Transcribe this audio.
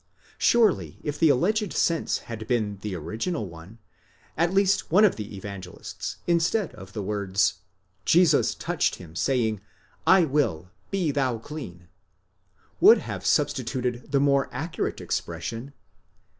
Surely, if the alleged sense had been the original one, at least one of the Evangelists, instead of the words ἥψατο αὐτοῦ ὁ Ἰησοῦς λέγων" θέλω, καθαρίσθητι, Jesus touched him, saying, 1 will, be thou clean, would have substituted the more accurate expression, ὃ "I.